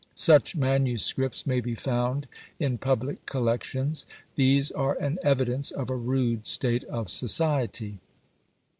Such manuscripts may be found in public collections. These are an evidence of a rude state of society.